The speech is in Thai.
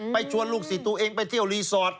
ชวนลูกศิษย์ตัวเองไปเที่ยวรีสอร์ท